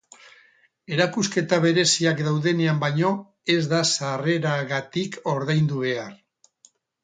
Erakusketa bereziak daudenean baino ez da sarreragatik ordaindu behar.